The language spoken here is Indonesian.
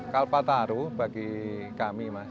kalpataru bagi kami